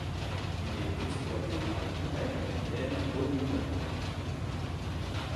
Il est exploité par la compagnie aérienne All Nippon Airways.